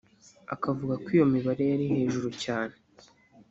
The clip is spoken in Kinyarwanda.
Akavuga ko iyo mibare yari hejuru cyane